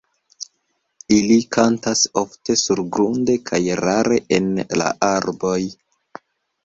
Ili kantas ofte surgrunde kaj rare en la arboj.